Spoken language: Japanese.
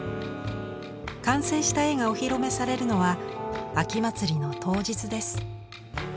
完成した絵がお披露目されるのは秋祭りの当日です。